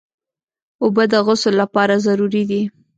اوبه د غسل لپاره ضروري دي.